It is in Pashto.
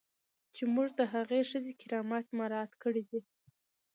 چې موږ د هغې ښځې کرامت مراعات کړی دی.